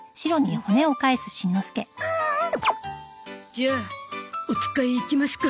じゃあお使い行きますか。